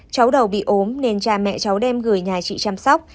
cháu đầu bị ốm nên cha mẹ cháu đem gửi nhà chị chăm sóc